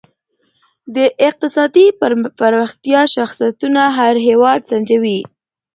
د اقتصادي پرمختیا شاخصونه هر هېواد سنجوي.